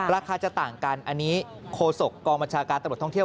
ราคาจะต่างกันอันนี้โคศกกองบัญชาการตำรวจท่องเที่ยว